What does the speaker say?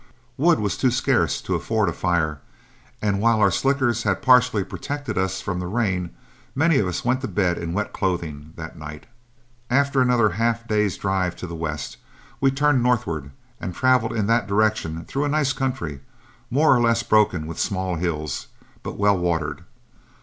Wood was too scarce to afford a fire, and while our slickers had partially protected us from the rain, many of us went to bed in wet clothing that night. After another half day's drive to the west, we turned northward and traveled in that direction through a nice country, more or less broken with small hills, but well watered.